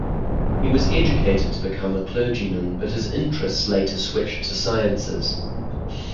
He was educated to become a clergyman, but his interests later switched to sciences.